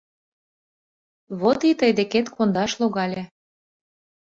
Вот и тый декет кондаш логале.